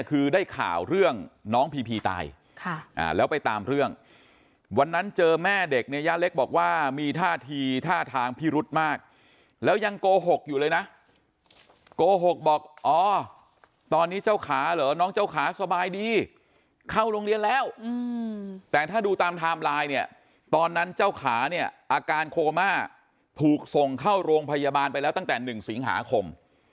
คือได้ข่าวเรื่องน้องพีพีตายแล้วไปตามเรื่องวันนั้นเจอแม่เด็กเนี่ยย่าเล็กบอกว่ามีท่าทีท่าทางพิรุธมากแล้วยังโกหกอยู่เลยนะโกหกบอกอ๋อตอนนี้เจ้าขาเหรอน้องเจ้าขาสบายดีเข้าโรงเรียนแล้วแต่ถ้าดูตามไทม์ไลน์เนี่ยตอนนั้นเจ้าขาเนี่ยอาการโคม่าถูกส่งเข้าโรงพยาบาลไปแล้วตั้งแต่๑สิงหาคม